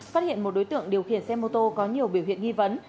phát hiện một đối tượng điều khiển xe mô tô có nhiều biểu hiện nghi vấn